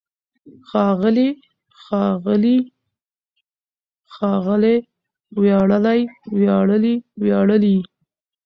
ښاغلی، ښاغلي، ښاغلې! وياړلی، وياړلي، وياړلې!